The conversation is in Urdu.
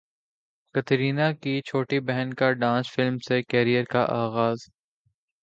کترینہ کی چھوٹی بہن کا ڈانس فلم سے کیریئر کا اغاز